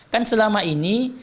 kan selama ini